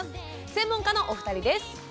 専門家のお二人です。